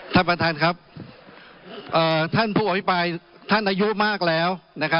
ท่านประธานครับท่านผู้อภิปรายท่านอายุมากแล้ว